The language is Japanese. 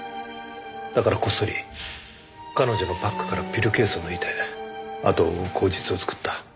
だからこっそり彼女のバッグからピルケースを抜いてあとを追う口実を作った。